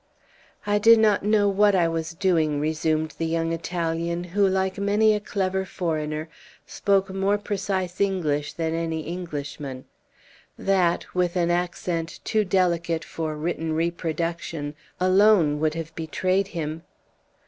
"I did not know what I was doing," resumed the young Italian, who, like many a clever foreigner, spoke more precise English than any Englishman; that, with an accent too delicate for written reproduction, alone would have betrayed him.